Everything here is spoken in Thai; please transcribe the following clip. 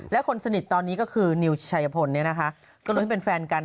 และคนสนิทตอนนี้ก็คือนิวชัยพลเนี่ยนะคะก็ลุ้นเป็นแฟนกัน